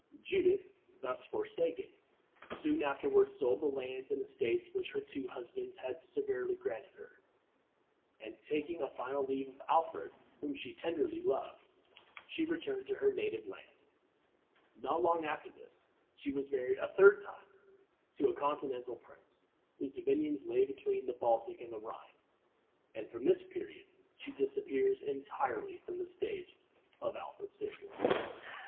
Judith, thus forsaken, soon afterward sold the lands and estates which her two husbands had severally granted her, and, taking a final leave of Alfred, whom she tenderly loved, she returned to her native land. Not long after this, she was married a third time, to a continental prince, whose dominions lay between the Baltic and the Rhine, and from this period she disappears entirely from the stage of Alfred's history.